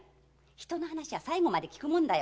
人の話は最後まで聞くもんだよ！